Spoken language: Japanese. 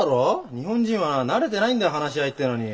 日本人は慣れてないんだよ話し合いってのに。